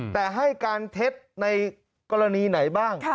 แต่ให้การเท็จในกรณีไหนบ้าง